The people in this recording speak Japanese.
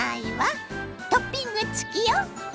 トッピング付きよ！